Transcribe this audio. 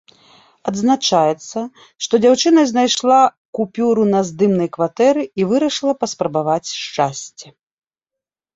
Адзначаецца, што дзяўчына знайшла купюру на здымнай кватэры і вырашыла паспрабаваць шчасце.